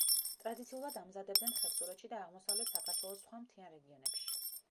ტრადიციულად ამზადებდნენ ხევსურეთში და აღმოსავლეთ საქართველოს სხვა მთიან რეგიონებში.